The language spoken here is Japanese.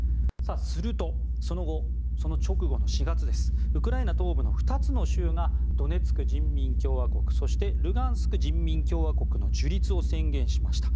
すると、その直後の４月ウクライナ東部の２つの州がドネツク人民共和国そして、ルガンスク人民共和国の樹立を宣言しました。